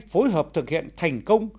phối hợp thực hiện thành công